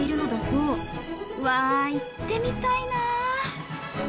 うわ行ってみたいな。